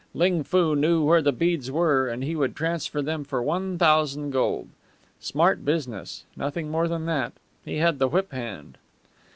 Ling Foo knew where the beads were, and he would transfer them for one thousand gold. Smart business, nothing more than that. He had the whip hand.